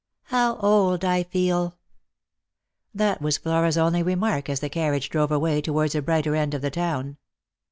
" How old I feel !" That was Flora's only remark as the carriage drove away towards a brighter end of the town.